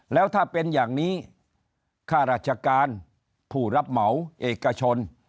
แล้วถ้าเป็นอย่างนี้ค่าราชการผู้รับเหมาเอกชน